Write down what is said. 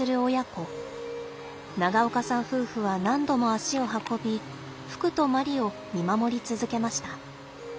長岡さん夫婦は何度も足を運びふくとまりを見守り続けました。